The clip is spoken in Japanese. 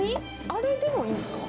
あれでもいいんですか？